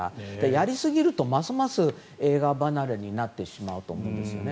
やりすぎるとますます映画離れになってしまうと思うんですよね。